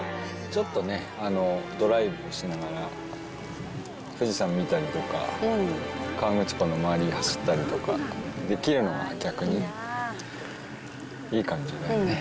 ちょっとね、ドライブしながら富士山見たりとか、河口湖の周り、走ったりとかできるのが逆に、いい感じだよね。